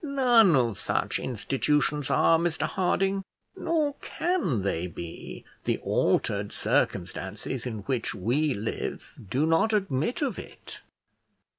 "None of such institutions are, Mr Harding, nor can they be; the altered circumstances in which we live do not admit of it."